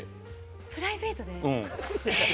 プライベートで？